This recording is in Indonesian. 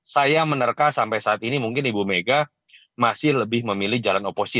saya menerka sampai saat ini mungkin ibu mega masih lebih memilih jalan oposisi